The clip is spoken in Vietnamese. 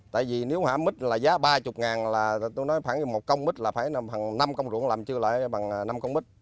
tại vì nếu hả mít là giá ba mươi là tôi nói khoảng như một cong mít là phải năm cong ruộng làm chưa lại bằng năm cong mít